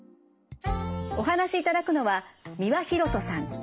お話しいただくのは三輪洋人さん。